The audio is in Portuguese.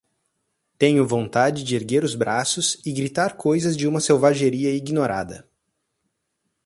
Tenho vontade de erguer os braços e gritar coisas de uma selvageria ignorada